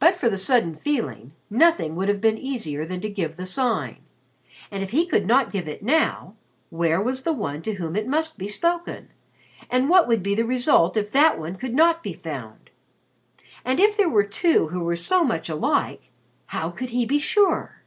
But for the sudden feeling, nothing would have been easier than to give the Sign. And if he could not give it now, where was the one to whom it must be spoken, and what would be the result if that one could not be found? And if there were two who were so much alike, how could he be sure?